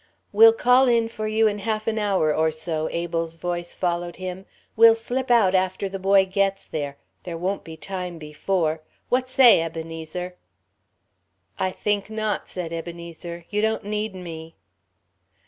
"We'll call in for you in half an hour or so," Abel's voice followed him. "We'll slip out after the boy gets there. There won't be time before ... what say, Ebenezer?" "I think not," said Ebenezer; "you don't need me."